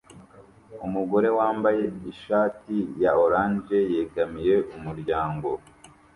Umugore wambaye ishati ya orange yegamiye umuryango